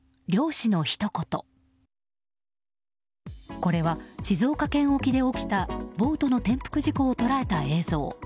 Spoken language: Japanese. これは静岡県沖で起きたボートの転覆事故を捉えた映像。